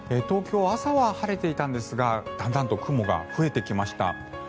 東京、朝は晴れていたんですがだんだんと雲が増えてきました。